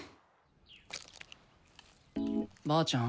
ばあちゃん。